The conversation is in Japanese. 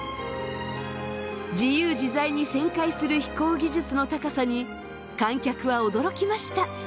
自由自在に旋回する飛行技術の高さに観客は驚きました。